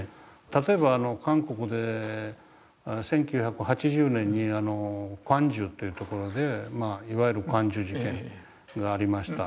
例えば韓国で１９８０年に光州という所でいわゆる光州事件がありました。